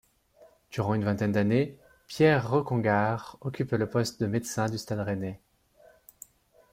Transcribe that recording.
Durant une vingtaine d'années, Pierre Rochcongar occupe le poste de médecin du Stade rennais.